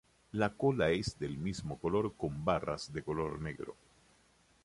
La cola es del mismo color con barras de color negro.